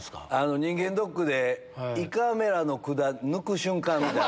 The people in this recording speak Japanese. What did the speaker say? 人間ドックで胃カメラの管抜く瞬間みたいな。